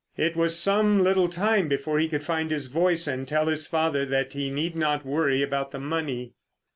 It was some little time before he could find his voice and tell his father that he need not worry about the money.